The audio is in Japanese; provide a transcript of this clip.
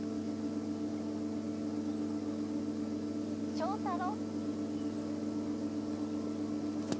庄太郎。